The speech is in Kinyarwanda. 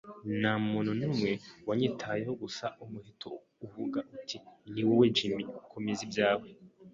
Ntamuntu numwe wanyitayeho, gusa umuheto uvuga uti: "Niwowe, Jim? Komeza ibyawe